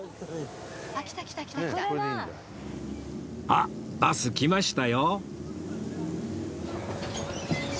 あっバス来ましたよ